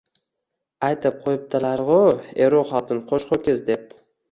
Aytib qo‘yibdilar-g‘u, eru xotin qo‘sh ho‘kiz deb